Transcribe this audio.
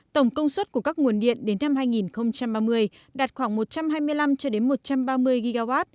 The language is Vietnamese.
tổng công suất của các nguồn điện đến năm hai nghìn ba mươi đạt khoảng một trăm hai mươi năm một trăm ba mươi gigawatt